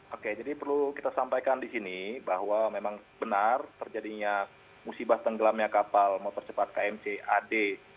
oke jadi perlu kita sampaikan di sini bahwa memang benar terjadinya musibah tenggelamnya kapal motor cepat kmc ad seribu enam ratus lima